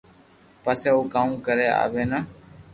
پسي او ڪاوُ ڪري اوي نہ